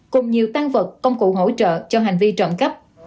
cùng nhiều tăng vật công cụ hỗ trợ cho hành vi trầm cấp